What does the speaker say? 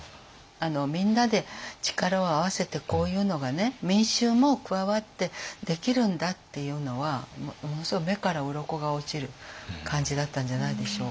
みんなで力を合わせてこういうのがね民衆も加わってできるんだっていうのはものすごい目からうろこが落ちる感じだったんじゃないでしょうか。